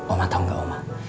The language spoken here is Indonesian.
omah tau gak omah